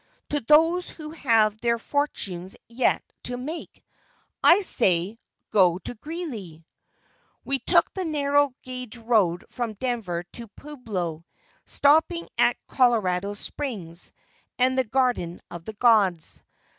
To those who have their fortunes yet to make, I say "go to Greeley." We took the narrow gauge road from Denver to Pueblo, stopping at Colorado Springs and the "Garden of the gods."